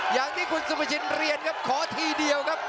อย่างที่คุณสุภาชินเรียนครับขอทีเดียวครับ